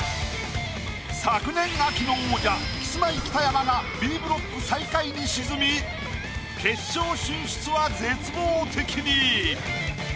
昨年秋の王者キスマイ北山がＢブロック最下位に沈み決勝進出は絶望的に！